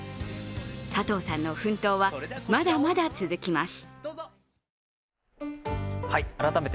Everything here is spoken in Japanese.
佐藤さんの奮闘は、まだまだ続きます。